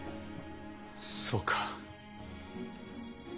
そうか。